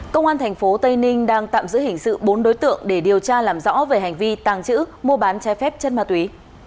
công an tp tây ninh đang tạm giữ hình sự bốn đối tượng để điều tra làm rõ về hành vi tàng trữ mua bán trái phép chất ma túy